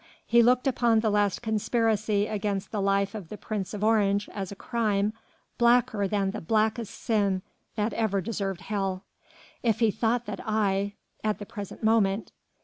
"He looked upon the last conspiracy against the life of the Prince of Orange as a crime blacker than the blackest sin that ever deserved hell.... If he thought that I ... at the present moment...."